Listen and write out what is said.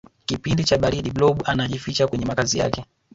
kipindi cha baridi blob anajificha kwenye makazi yake